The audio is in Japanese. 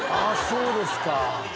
そうですか。